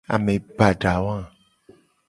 Ame bada wa.